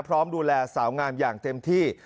พร้อมดูแลสาวงามอย่างเต็มที่